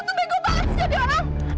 lo tuh bingung banget sih jadi orang